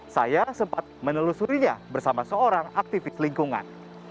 saya sempat menelusurinya bersama seorang aktivis lingkungan